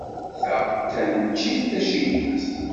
Ta d taneččit tacinwat.